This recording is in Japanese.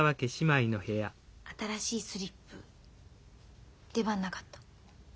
新しいスリップ出番なかった？